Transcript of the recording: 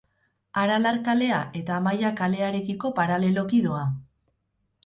Aralar kalea eta Amaia kalearekiko paraleloki doa.